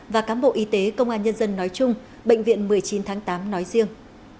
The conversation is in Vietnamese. và cám bộ y tế công an nhân dân nói chung bệnh viện một mươi chín tháng tám nói riêng